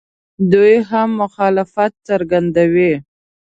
دوی هم مخالفت څرګندوي.